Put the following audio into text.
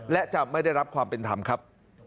และจะไม่ได้รับความเป็นธรรมครับ